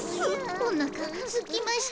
おなかがすきました。